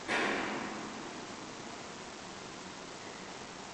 Široká rodina a příslušnost k rodu pro ně hraje klíčovou roli.